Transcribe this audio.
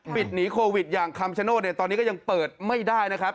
ปิดหนีโควิดอย่างคำชโนธตอนนี้ก็ยังเปิดไม่ได้นะครับ